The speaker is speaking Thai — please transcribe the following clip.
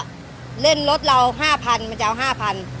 ๕ฟัน๑๐ฟันก็เล่นรถเรา๕ฟันมันจะมาเอา๕ฟัน